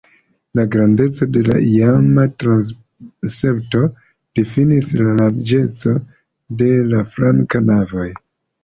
La grandeco de la iama transepto difinis la larĝecon de la flankaj navoj.